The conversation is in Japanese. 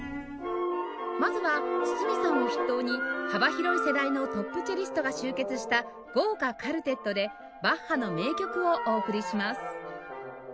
まずは堤さんを筆頭に幅広い世代のトップチェリストが集結した豪華カルテットでバッハの名曲をお送りします